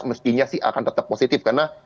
mestinya sih akan tetap positif karena